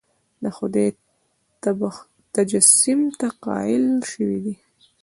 د خدای تجسیم ته قایل شوي دي.